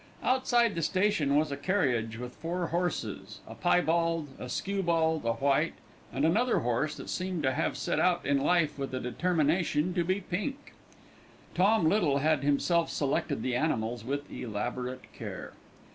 Outside the station was a carriage with four horses, a piebald, a skewbald, a white, and another horse that seemed to have set out in life with a determination to be pink. Tom Little had himself selected the animals with elaborate care.